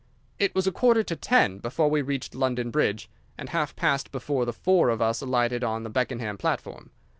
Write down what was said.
It was a quarter to ten before we reached London Bridge, and half past before the four of us alighted on the Beckenham platform.